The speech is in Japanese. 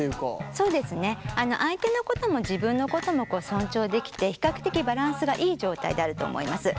相手のことも自分のことも尊重できて比較的バランスがいい状態であると思います。